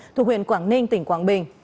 thuộc huyện quảng ninh tỉnh quảng bình